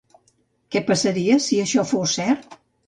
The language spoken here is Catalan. Què passaria si això fos cert?